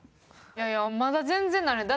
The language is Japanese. いやいやまだ全然慣れん。